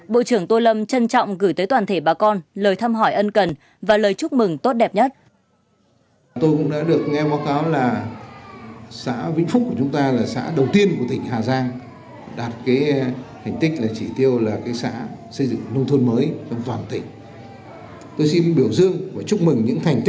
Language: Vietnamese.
bộ trưởng tô lâm trân trọng gửi tới toàn thể bà con lời thăm hỏi ân cần và lời chúc mừng tốt đẹp nhất